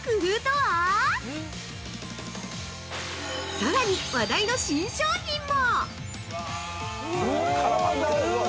さらに、話題の新商品も！